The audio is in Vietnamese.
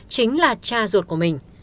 chính là cha ruột của mình